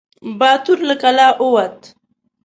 باتور له کلا ووت.